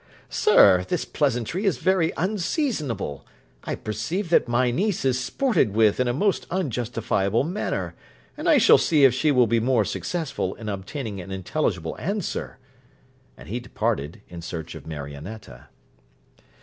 'Sir, this pleasantry is very unseasonable. I perceive that my niece is sported with in a most unjustifiable manner, and I shall see if she will be more successful in obtaining an intelligible answer.' And he departed in search of Marionetta.